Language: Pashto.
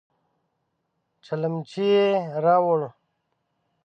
چلمچي يې راووړ.